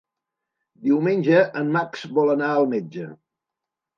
Diumenge en Max vol anar al metge.